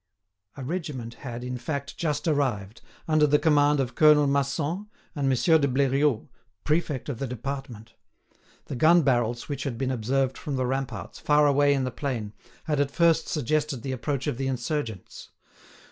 A regiment had, in fact, just arrived, under the command of Colonel Masson and Monsieur de Bleriot, prefect of the department. The gunbarrels which had been observed from the ramparts, far away in the plain, had at first suggested the approach of the insurgents.